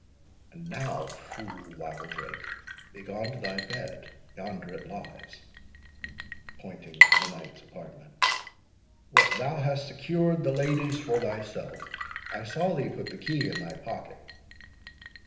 "And now, fool Wildrake, begone to thy bed—yonder it lies," pointing to the knight's apartment. "What, thou hast secured the lady's for thyself? I saw thee put the key in thy pocket."